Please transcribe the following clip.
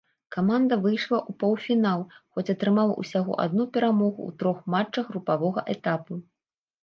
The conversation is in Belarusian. Каманда выйшла ў паўфінал, хоць атрымала ўсяго адну перамогу ў трох матчах групавога этапу.